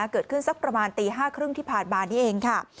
เกิดขึ้นสักประมาณตี๕ครึ่งที่ผ่านบานนี้เองค่ะ